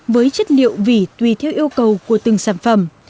với chất liệu vỉ theo yêu cầu của từng sản phẩm